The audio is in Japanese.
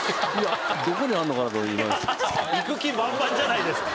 行く気満々じゃないですか。